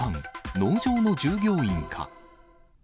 農場の従業員か。